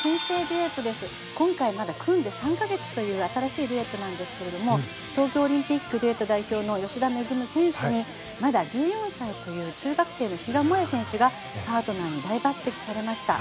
今回まだ組んで３か月という新しいデュエットなんですけど東京オリンピックデュエット代表の吉田萌選手にまだ１４歳という中学生の比嘉もえ選手がパートナーに大抜擢されました。